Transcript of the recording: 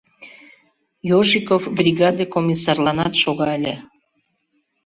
Ежиков бригаде комиссарланат шога ыле.